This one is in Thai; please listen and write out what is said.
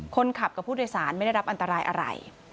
คนขับกับผู้โดยสารไม่ได้รับอันตรายอะไร